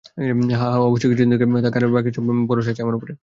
হ্যাঁঁ, অবশ্যই কিছুদিন সেখানে থাক আর বাকীসব আমি সামলে নিবো ভরসা আছে আমার উপরে?